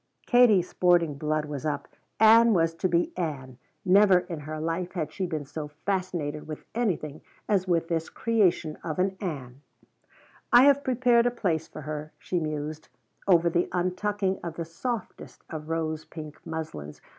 Katie's sporting blood was up. Ann was to be Ann. Never in her life had she been so fascinated with anything as with this creation of an Ann. "I have prepared a place for her," she mused, over the untucking of the softest of rose pink muslins.